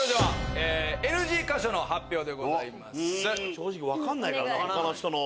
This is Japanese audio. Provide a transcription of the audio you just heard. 正直分かんないからな他の人の。